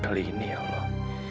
kali ini ya allah